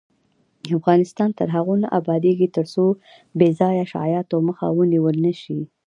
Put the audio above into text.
افغانستان تر هغو نه ابادیږي، ترڅو بې ځایه شایعاتو مخه ونیول نشي.